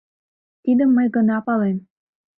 Тидым мый гына палем.